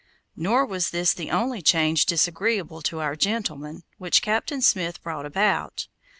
Nor was this the only change disagreeable to our gentlemen, which Captain Smith brought about.